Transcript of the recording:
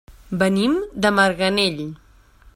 Venim de Marganell.